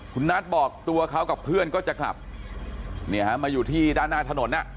คุณนัทบอกตัวเขากับเพื่อนก็จะกลับมาอยู่ที่ด้านหน้าถนน